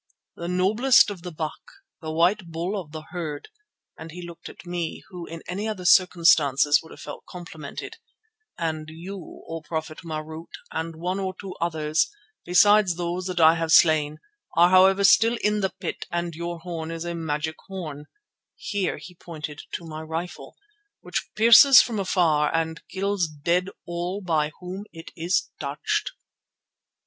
"The noblest of the buck, the white bull of the herd," and he looked at me, who in any other circumstances would have felt complimented, "and you, O Prophet Marût, and one or two others, besides those that I have slain, are however still in the pit and your horn is a magic horn," here he pointed to my rifle, "which pierces from afar and kills dead all by whom it is touched."